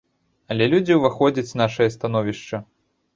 Але людзі ўваходзяць нашае становішча.